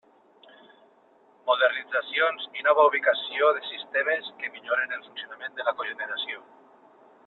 Modernitzacions i nova ubicació de sistemes que milloren el funcionament de la cogeneració.